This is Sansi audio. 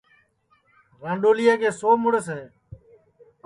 رانڈؔولیا کے سو مُڑس ہے